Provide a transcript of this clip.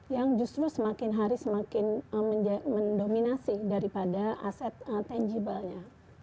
yang justru semakin hari semakin mendominasi daripada aset tangiblenya